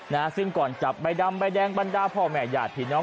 นะฮะซึ่งก่อนจับใบดำใบแดงบรรดาพ่อแม่ญาติพี่น้อง